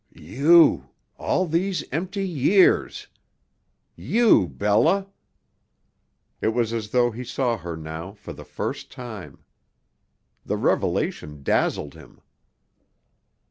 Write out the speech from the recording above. "You all these empty years! You, Bella." It was as though he saw her now for the first time. The revelation dazzled him.